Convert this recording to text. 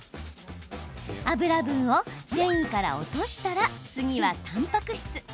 油分を繊維から落としたら次は、たんぱく質。